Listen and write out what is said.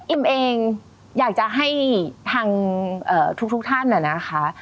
อิ่มเองอยากจะให้ทุกท่านนะคะ